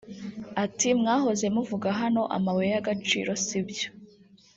Ati “Mwahoze muvuga hano amabuye y’agaciro si byo